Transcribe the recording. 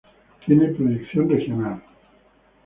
Tiene proyección regional.